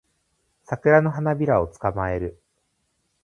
サクラの花びらを捕まえる